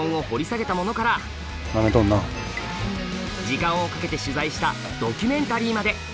時間をかけて取材したドキュメンタリーまで。